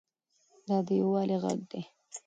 دا د یووالي غږ دی.